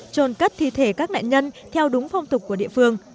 trồn cất thi thể các nạn nhân theo đúng phong tục của địa phương